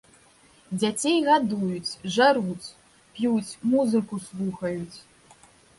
Дзяцей гадуюць, жаруць, п'юць, музыку слухаюць.